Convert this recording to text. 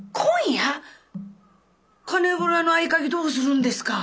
金蔵の合鍵どうするんですか？